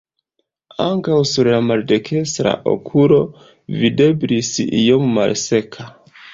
Ankaŭ sur la maldekstra okulo videblis io malseka.